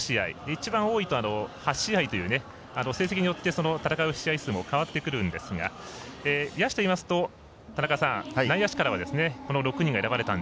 一番多いと８試合という成績によって戦う試合数も変わってくるんですが野手でいいますと田中さん内野手からは６人が選ばれました。